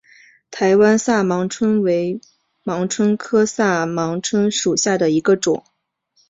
台湾萨盲蝽为盲蝽科萨盲蝽属下的一个种。